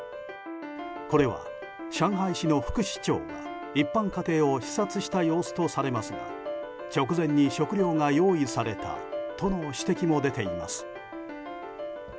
これは、上海市の副市長が一般家庭を視察した様子とされますが直前に食料が用意されたとの指摘も出ています。